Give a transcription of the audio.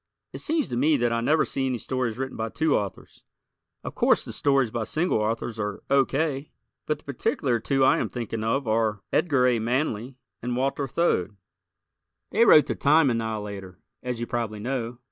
It seems to me that I never see any stories written by two authors. Of course the stories by single authors are O. K., but the particular two I am thinking of are Edgar A. Manley and Walter Thode. They wrote "The Time Annihilator," as you probably know.